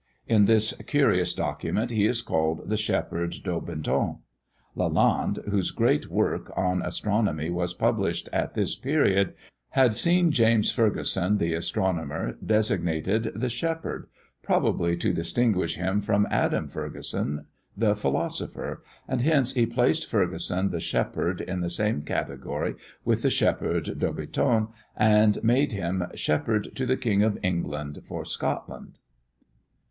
In this curious document, he is called the Shepherd Daubenton. Lalande, whose great work on astronomy was published at this period, had seen James Ferguson (the astronomer) designated the Shepherd, probably to distinguish him from Adam Ferguson the Philosopher, and hence he placed Ferguson the Shepherd in the same category with the Shepherd Daubenton, and made him "Shepherd to the King of England for Scotland!"